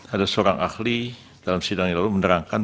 ada seorang ahli dalam sidang yang lalu menerangkan